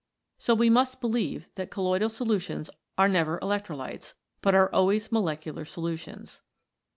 So we must believe that colloidal solutions are never electrolytes, but are always molecular solutions.